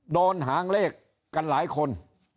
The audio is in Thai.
หางเลขกันหลายคน